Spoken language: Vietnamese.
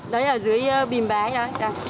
đấy ở dưới bìm bái đó